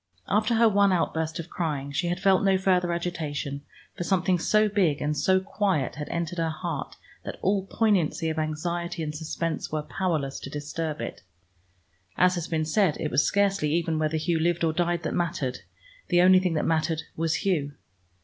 After her one outburst of crying, she had felt no further agitation, for something so big and so quiet had entered her heart that all poignancy of anxiety and suspense were powerless to disturb it. As has been said, it was scarcely even whether Hugh lived or died that mattered: the only thing that mattered was Hugh.